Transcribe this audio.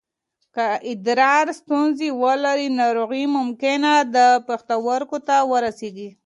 که ادرار ستونزه ولري، ناروغي ممکن د پښتورګو ته ورسېږي.